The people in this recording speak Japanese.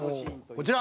こちら！